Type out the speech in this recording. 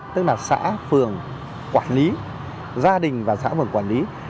tức là xã phường quản lý gia đình và xã phường quản lý